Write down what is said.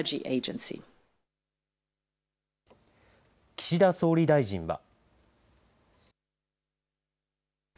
岸田総理大臣は。